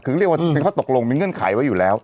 คือเรียกว่าเป็นข้อตกลงมีเงื่อนไขไว้อยู่แล้ว